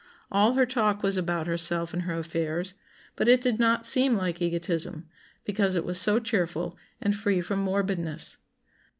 All her talk was about herself and her affairs; but it did not seem like egotism, because it was so cheerful and free from morbidness."